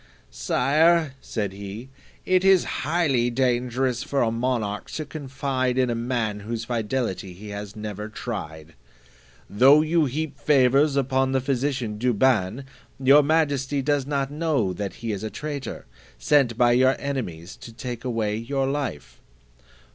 "Sire," said he, "it is highly dangerous for a monarch to confide in a man whose fidelity he has never tried. Though you heap favours upon the physician Douban, your majesty does not know that he is a traitor, sent by your enemies to take away your life."